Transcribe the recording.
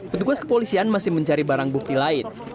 petugas kepolisian masih mencari barang bukti lain